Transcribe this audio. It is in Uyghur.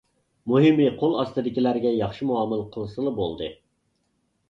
مۇھىمى قول ئاستىدىكىلەرگە ياخشى مۇئامىلە قىلسىلا بولدى.